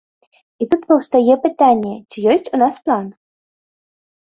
І тут паўстае пытанне, ці ёсць у нас план?